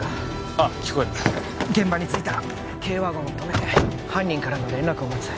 ああ聞こえる現場に着いたら軽ワゴンを止めて犯人からの連絡を待つ